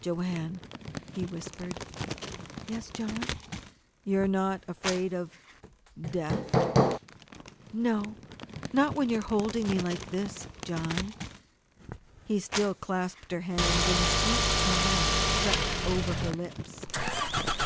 "Joanne," he whispered. "Yes, John." "You are not afraid of death?" "No, not when you are holding me like this, John." He still clasped her hands, and a sweet smile crept over her lips.